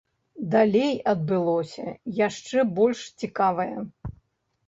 Далей адбылося яшчэ больш цікавае.